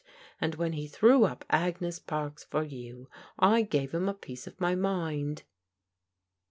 And when he threw up Agnes Parks for you, I gave 'im a piece of my mind."